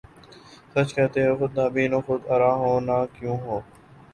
سچ کہتے ہو خودبین و خود آرا ہوں نہ کیوں ہوں